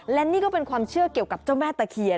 และนี่ก็เป็นความเชื่อเกี่ยวกับเจ้าแม่ตะเคียน